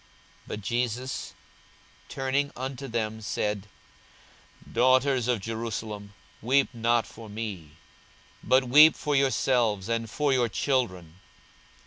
42:023:028 But Jesus turning unto them said, Daughters of Jerusalem, weep not for me, but weep for yourselves, and for your children.